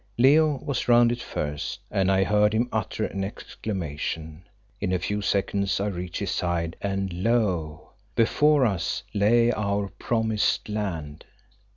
Leo was round it first, and I heard him utter an exclamation. In a few seconds I reached his side, and lo! before us lay our Promised Land.